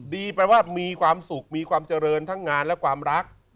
แปลว่ามีความสุขมีความเจริญทั้งงานและความรัก